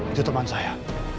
itu teman saya